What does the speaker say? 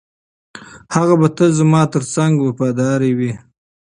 هغه به تل زما تر څنګ وفاداره وي.